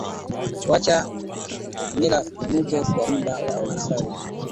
wacha hamira imumuke kwa mda wa lisaa limoja